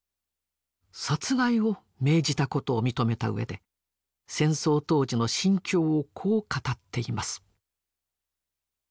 殺害を命じたことを認めたうえで戦争当時の心境をこう語っています。